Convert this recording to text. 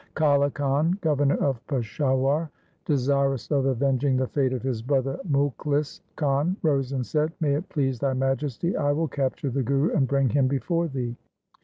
Kale Khan, governor of Peshawar, desir ous of avenging the fate of his brother, Mukhlis Khan, rose and said, ' May it please thy Majesty, I will capture the Guru and bring him before thee.'